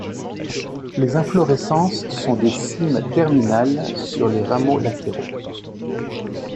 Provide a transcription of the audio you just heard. Les inflorescences sont des cymes terminales sur les rameaux latéraux.